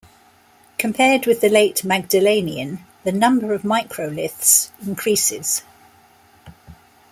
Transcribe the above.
Compared with the late Magdalenian, the number of microliths increases.